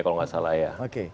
kalau gak salah ya